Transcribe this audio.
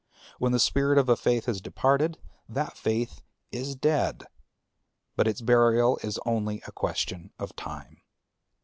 When the spirit of a faith has departed, that faith is dead, and its burial is only a question of time.